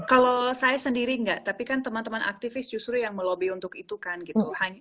kalau saya sendiri enggak tapi kan teman teman aktivis justru yang melobi untuk itu kan gitu